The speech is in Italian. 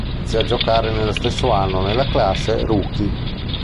Iniziò a giocare nel stesso anno nella classe Rookie.